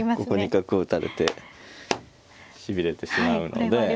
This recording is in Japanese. ここに角を打たれてしびれてしまうので。